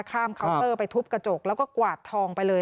เคาน์เตอร์ไปทุบกระจกแล้วก็กวาดทองไปเลย